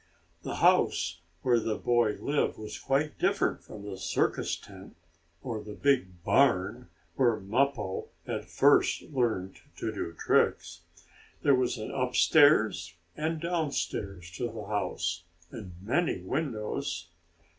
The house where the boy lived was quite different from the circus tent, or the big barn where Mappo had first learned to do tricks. There was an upstairs and downstairs to the house, and many windows.